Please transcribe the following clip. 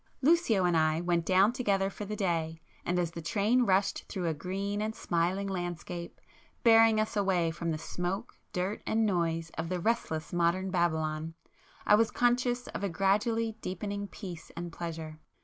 Lucio and I went down together for the day, and as the train rushed through a green and smiling landscape, bearing us away from the smoke, dirt and noise of the restless modern Babylon, I was conscious of a gradually deepening peace and pleasure.